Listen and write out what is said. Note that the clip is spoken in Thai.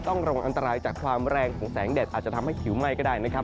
ต้องระวังอันตรายจากความแรงของแสงแดดอาจจะทำให้ผิวไหม้ก็ได้นะครับ